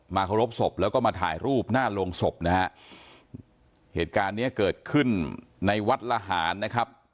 เคารพศพแล้วก็มาถ่ายรูปหน้าโรงศพนะฮะเหตุการณ์เนี้ยเกิดขึ้นในวัดละหารนะครับ